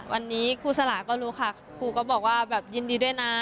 วันนี้ครูสลาก็รู้ค่ะครูก็บอกว่าแบบยินดีด้วยนะ